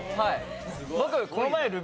僕。